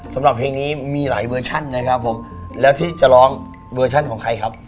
สำหรับเพลงนี้มีหลายเวอร์ชั่นนะครับผมแล้วที่จะร้องเวอร์ชั่นของใครครับ